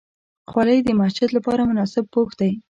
خولۍ د مسجد لپاره مناسب پوښ دی.